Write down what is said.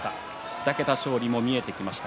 ２桁勝利も見えてきました。